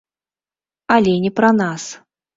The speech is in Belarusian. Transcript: Але не пра нас.